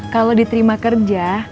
kalau diterima kerja